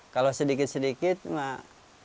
kalau sedikit sedikit mah